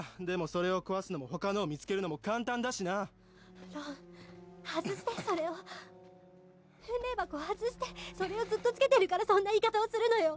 それを壊すのも他のを見つけるのも簡単だしなロン外してそれを分霊箱を外してそれをずっとつけてるからそんな言い方をするのよ